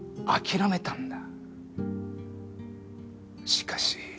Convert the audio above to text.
しかし。